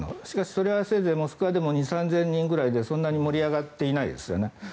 しかし、それはせいぜいモスクワでも２０００３０００人くらいでそんなに盛り上がっていないですよね。